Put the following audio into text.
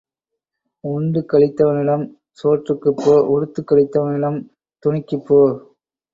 உண்டு களித்தவனிடம் சோற்றுக்குப் போ உடுத்துக் களித்தவனிடம் துணிக்குப் போ.